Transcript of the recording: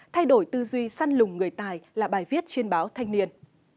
thay đổi tư duy săn lùng người tài là bài viết trên báo thanh niên